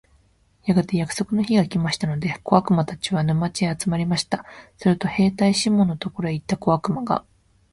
やがて約束の日が来ましたので、小悪魔たちは、沼地へ集まりました。すると兵隊シモンのところへ行った小悪魔が、